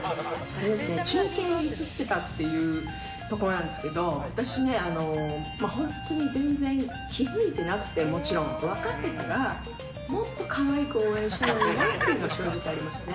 中継に映ってたっていうところなんですけど、私ね、本当に全然気付いてなくて、もちろん、分かってたら、もっとかわいく応援したのにっていうのは正直ありますね。